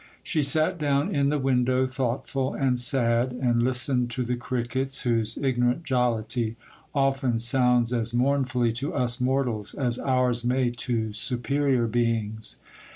She sat down in the window, thoughtful and sad, and listened to the crickets, whose ignorant jollity often sounds as mournfully to us mortals as ours may to superior beings.